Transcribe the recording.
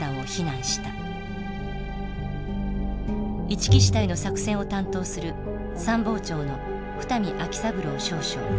一木支隊の作戦を担当する参謀長の二見秋三郎少将。